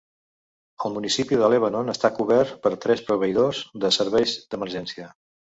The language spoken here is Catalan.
El municipi de Lebanon està cobert per tres proveïdors de serveis d'emergència.